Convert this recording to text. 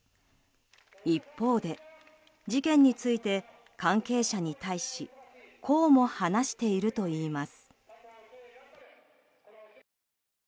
一方で、事件について関係者に対しこうも話しているといいます。